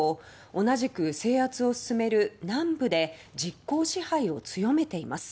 同じく制圧を進める南部で実効支配を強めています。